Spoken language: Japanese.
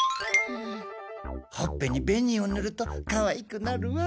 ほっぺに紅をぬるとかわいくなるわ。